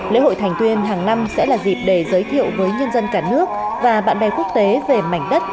lễ hội thành tuyên hàng năm sẽ là dịp để giới thiệu với nhân dân cả nước và bạn bè quốc tế về mảnh đất